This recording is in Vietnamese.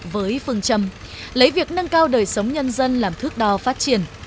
với phương châm lấy việc nâng cao đời sống nhân dân làm thước đo phát triển